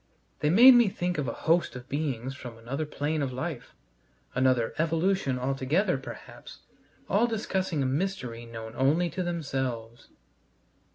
They made me think of a host of beings from another plane of life, another evolution altogether, perhaps, all discussing a mystery known only to themselves.